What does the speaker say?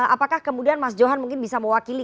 apakah kemudian mas johan mungkin bisa mewakili